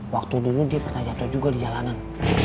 waktu dulu dia pernah jatuh juga di jalanan